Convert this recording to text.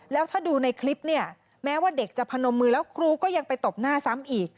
แล้วถ้าดูในคลิปเนี่ยแม้ว่าเด็กจะพนมมือแล้วครูก็ยังไปตบหน้าซ้ำอีก